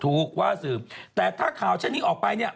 ถูกว่าสืบแต่ถ้าข่าวเช่นนี้ออกไปเนี่ย